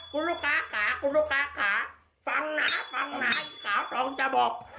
คุณลูกค้าขาคุณลูกค้าขาฟังนะฟังหนาขาปองจะบอก